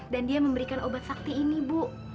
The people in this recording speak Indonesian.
dan dia memberikan obat sakti ini bu